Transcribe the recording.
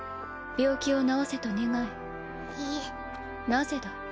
病気を治せと願えいいなぜだ？